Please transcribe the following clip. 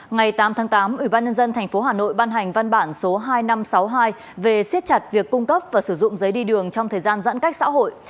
ngày tám tháng tám ubnd tp hà nội ban hành văn bản số hai nghìn năm trăm sáu mươi hai về siết chặt việc cung cấp và sử dụng giấy đi đường trong thời gian giãn cách xã hội